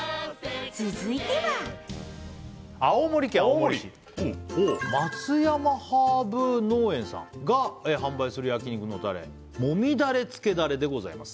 続いては青森おお松山ハーブ農園さんが販売する焼肉のたれもみだれ・つけだれでございます